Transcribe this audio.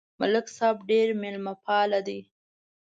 ملک صاحب ډېر مېلمهپاله دی.